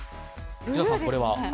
内田さん、これは？